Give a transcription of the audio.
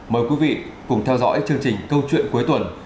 mời quý vị cùng theo dõi chương trình câu chuyện cuối tuần